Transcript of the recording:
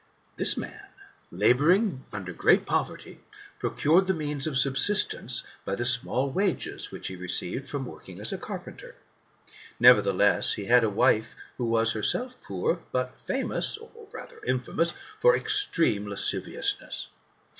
This man, labouring under great poverty, procured the GOLDEN ASS, OF APULEIUS. — BOOK IX. 1 45 t means of sabsistence by the small wages which he received from working as a carpenter. Nevertheless, he had a wife who was also herself poor, but famous [or rather infamous] for extreme lasciviousness.